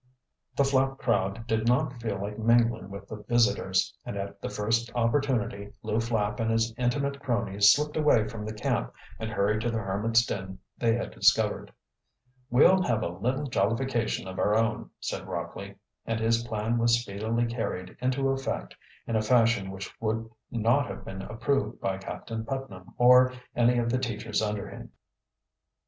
The Flapp crowd did not feel like mingling with the visitors, and at the first opportunity Lew Flapp and his intimate cronies slipped away from the camp and hurried to the hermit's den they had discovered. "We'll have a little jollification of our own," said Rockley, and his plan was speedily carried into effect, in a fashion which would not have been approved by Captain Putnam or any of the teachers under him.